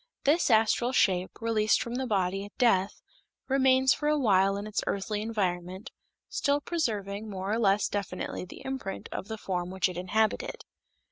This astral shape, released from the body at death, remains for a while in its earthly environment, still preserving more or less definitely the imprint of the form which it inhabited.